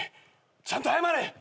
ちゃんと謝れ！